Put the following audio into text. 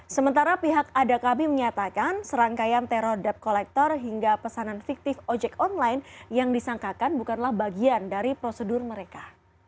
sementara pihak adakabi menyatakan serangkaian teror debt collector hingga pesanan fiktif ojek online yang disangkakan bukanlah bagian dari prosedur mereka